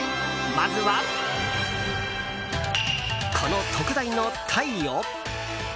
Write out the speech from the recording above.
まずは、この特大のタイを。